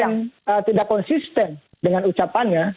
kalau presiden tidak konsisten dengan ucapannya